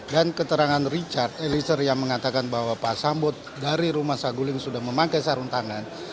dan keterangan richard eliezer yang mengatakan bahwa pak sambo dari rumah saguling sudah memakai sarung tangan